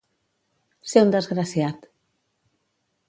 Ser un desgraciat.